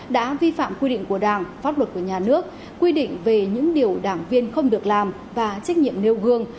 đã vi phạm quy định của đảng pháp luật của nhà nước quy định về những điều đảng viên không được làm và trách nhiệm nêu gương